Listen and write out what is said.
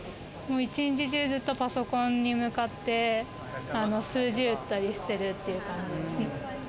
一日中、ずっとパソコンに向かって数字を打ったりしてるという感じです。